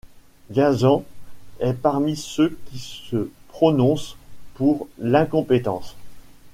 Gazan est parmi ceux qui se prononcent pour l'incompétence.